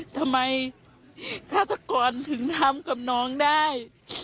ทำไมฆาตกรถึงทำกับน้องได้